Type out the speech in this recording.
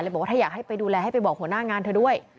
บอกว่าถ้าอยากให้ไปดูแลให้ไปบอกหัวหน้างานเธอด้วย